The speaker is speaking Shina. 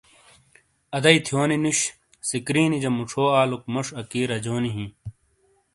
اَدائی تھیونی نُش، سکرینیجا مُچھو آلوک موش اکی رجونی ہِیں